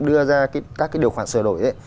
đưa ra các cái điều khoản sửa đổi